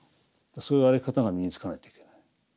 そういう歩き方が身につかないといけない。